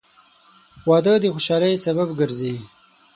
• واده د خوشحالۍ سبب ګرځي.